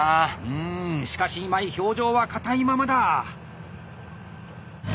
うんしかし今井表情は硬いままだあ！